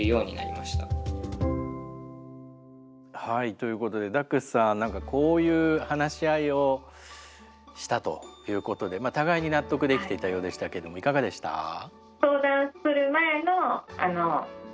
はいということでダックスさんこういう話し合いをしたということで互いに納得できていたようでしたけどもいかがでした？